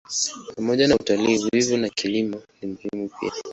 Pamoja na utalii, uvuvi na kilimo ni muhimu pia.